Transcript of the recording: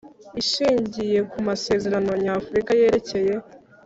Ishingiye ku Masezerano Nyafurika yerekeye